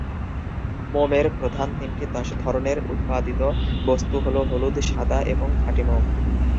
মোমের প্রধান তিনটি ধরনের উৎপাদিত বস্তু হল হলুদ, সাদা এবং খাঁটি মোম।